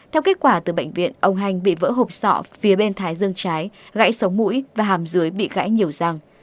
theo kết quả từ bệnh viện ông hanh bị vỡ hộp sọ phía bên thái dương trái gãy sống mũi và hàm dưới bị gãy nhiều răng